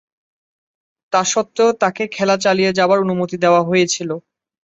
তাস্বত্ত্বেও তাকে খেলা চালিয়ে যাবার অনুমতি দেয়া হয়েছিল।